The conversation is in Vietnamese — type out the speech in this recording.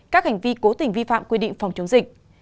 các hành vi cố tình vi phạm quy định phòng chống dịch